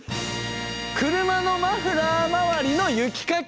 車のマフラーまわりの雪かき！